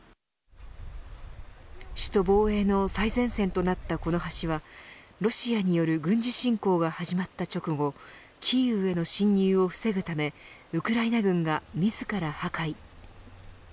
首都防衛の最前線となったこの橋はロシアによる軍事侵攻が始まった直後キーウへの侵入を防ぐためウクライナ軍が自ら破壊。